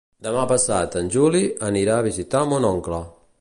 Demà passat en Juli anirà a visitar mon oncle.